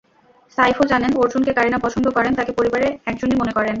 সাইফও জানেন অর্জুনকে কারিনা পছন্দ করেন, তাঁকে পরিবারে একজনই মনে করেন।